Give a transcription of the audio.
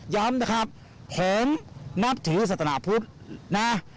ย้ำนะครับผมนับถือศาสนาพุทธนะ